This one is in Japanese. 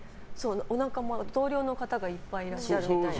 お仲間、同僚の方がいっぱいいらっしゃるみたいで。